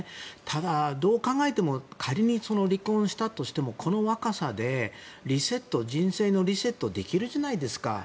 ただ、どう考えても仮に離婚したとしてもこの若さでリセット、人生のリセットできるじゃないですか。